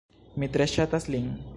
Mi tre ŝatas lin...